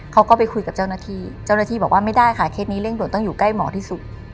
เขาก็ไปคุยกับเจ้าหน้าที่เจ้าหน้าที่บอกว่าไม่ได้ค่ะเคสนี้เร่งด่วนต้องอยู่ใกล้หมอที่สุด